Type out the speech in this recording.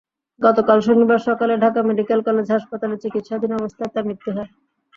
গতকাল শনিবার সকালে ঢাকা মেডিকেল কলেজ হাসপাতালে চিকিৎসাধীন অবস্থায় তাঁর মৃত্যু হয়।